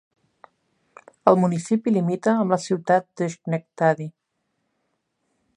El municipi limita amb la ciutat d'Schenectady.